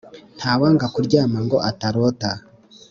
Ntawanga kuryama ngo atarota.